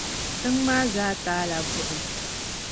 tiŋ’ maa zaa taai la buɣim.